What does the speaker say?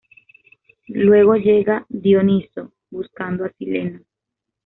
Luego llega Dioniso, buscando a Sileno.